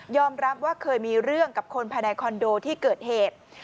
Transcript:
รับว่าเคยมีเรื่องกับคนภายในคอนโดที่เกิดเหตุ